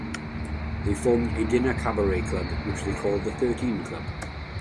They formed a dinner cabaret club, which they called the Thirteen Club.